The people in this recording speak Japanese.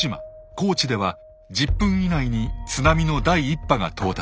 高知では１０分以内に津波の第１波が到達。